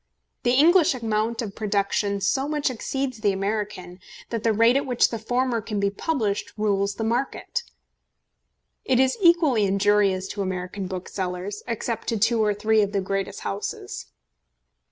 The English amount of production so much exceeds the American, that the rate at which the former can be published rules the market. It is equally injurious to American booksellers, except to two or three of the greatest houses.